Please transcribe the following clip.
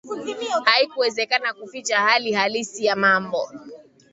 haikuwezekana kuficha hali halisi ya mambo